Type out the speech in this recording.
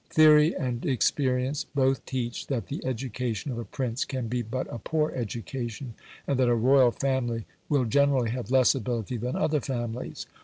Theory and experience both teach that the education of a prince can be but a poor education, and that a royal family will generally have less ability than other families.